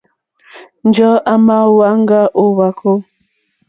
Njɔ̀ɔ́ à mà hwáŋgá ó hwàkó.